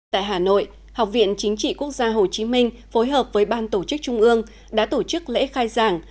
tại hà nội học viện chính trị quốc gia hồ chí minh phối hợp với ban tổ chức trung ương đã tổ chức lễ khai giảng